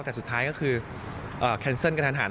แต่สุดท้ายก็คือแคนเซิลกระทันหัน